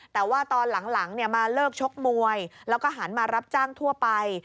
แต่ว่าตอนหลังมาเลิกชกมวยแล้วก็หันมารับจ้างทั่วไป